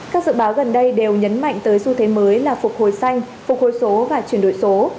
các dự báo gần đây đều nhấn mạnh tới xu thế mới là phục hồi xanh phục hồi số và chuyển đổi số